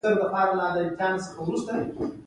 د کوم انسان په هکله خبره وکړو چې غوسه وپاروي.